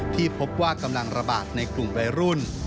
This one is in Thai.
ที่พบว่ากำลังระบาดในกลุ่มวัยรุ่น